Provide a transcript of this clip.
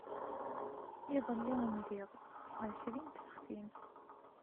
Iḍelli ndiɣ ɛecrin n tfextin.